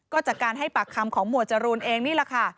ก็จากการให้ปากคำของหมวดจรูนเองนี่แหละค่ะ